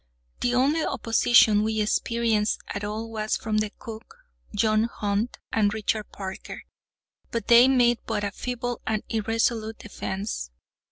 The only opposition we experienced at all was from the cook, John Hunt, and Richard Parker; but they made but a feeble and irresolute defence.